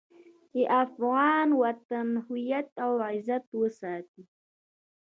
چې د افغان وطن هويت او عزت وساتي.